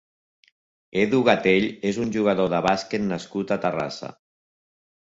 Edu Gatell és un jugador de bàsquet nascut a Terrassa.